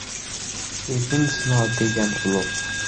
Ibn Sino degan ulugʼ.